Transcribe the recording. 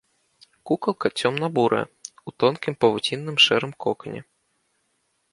Кукалка цёмна-бурая, у тонкім павуцінным шэрым кокане.